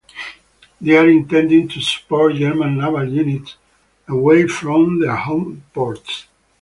They are intended to support German naval units away from their home ports.